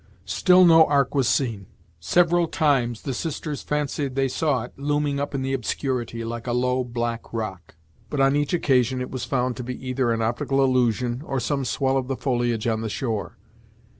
Still no ark was seen. Several times the sisters fancied they saw it, looming up in the obscurity, like a low black rock; but on each occasion it was found to be either an optical illusion, or some swell of the foliage on the shore.